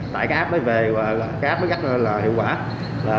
tại cái app mới về cái app mới gắt ra là hiệu quả